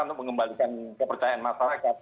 untuk mengembalikan kepercayaan masyarakat